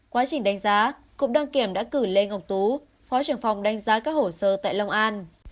quá trình đánh giá cục đăng kiểm đã cử lê ngọc tú phó trưởng phòng đánh giá các hồ sơ tại long an